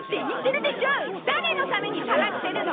誰のために探してるの？